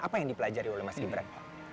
apa yang dipelajari oleh mas gibran